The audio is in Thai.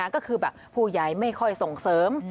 ก็คือแบบผู้ใหญ่ไม่ค่อยส่งเสริม